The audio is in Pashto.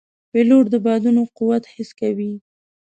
پیلوټ د بادونو قوت حس کوي.